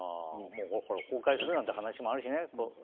崩壊するなんて話もあるしね。